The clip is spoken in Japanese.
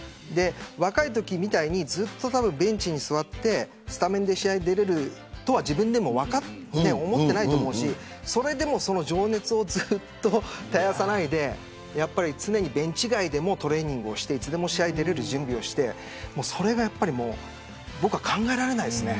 若いときみたいにベンチにずっと座ってスタメンで出られるとは自分でも思っていないと思うしそれでも情熱をずっと絶やさないでベンチ外でもトレーニングをしていつでも試合に出られる準備をしてそれが僕は考えられませんね。